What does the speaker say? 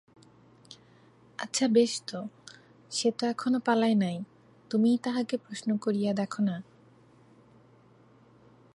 আচ্ছা, বেশ তো, সে তো এখনো পালায় নাই–তুমিই তাহাকে প্রশ্ন করিয়া দেখো-না।